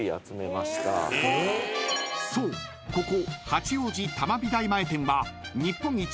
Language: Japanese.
［そうここ］